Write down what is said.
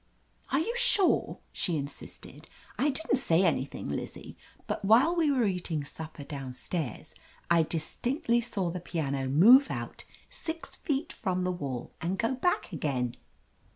"Are you sure ?" she insisted. "I didn't say anything, Lizzie, but while we were eating supper down stairs I distinctly saw the piano move out six feet from the wall and go back again."